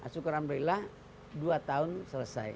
syukur alhamdulillah dua tahun selesai